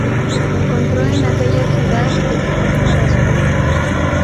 Encontró en aquella ciudad editor para su libro.